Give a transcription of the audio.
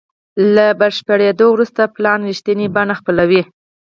له بشپړېدو وروسته پلان رښتینې بڼه خپلوي.